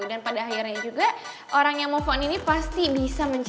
dan pada akhirnya juga orang yang move on ini pasti bisa mencari